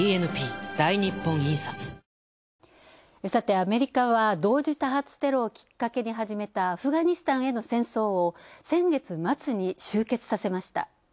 アメリカは同時多発テロをきっかけに始めたアフガニスタンへの戦争を先月末に終結させました。